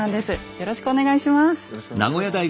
よろしくお願いします。